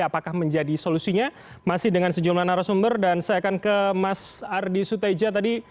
apakah menjadi solusinya masih dengan sejumlah narasumber dan saya akan ke mas ardi suteja tadi